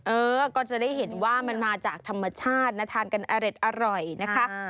เออก็จะได้เห็นว่ามันมาจากธรรมชาตินะทานกันอเร็ดอร่อยนะคะ